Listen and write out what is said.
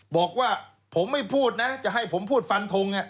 บอกว่าผมไม่พูดนะจะให้ผมพูดฟันทง